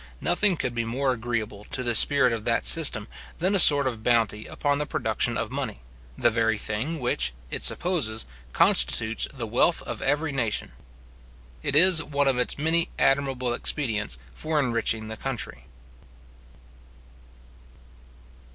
Nothing could be more agreeable to the spirit of that system than a sort of bounty upon the production of money, the very thing which, it supposes, constitutes the wealth of every nation. It is one of its many admirable expedients for enriching the country.